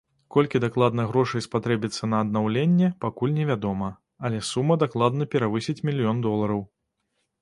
Колькі дакладна грошай спатрэбіцца на аднаўленне, пакуль невядома, але сума дакладна перавысіць мільён долараў.